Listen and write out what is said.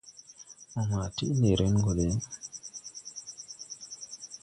Mo ma tiʼ ndi ren go de!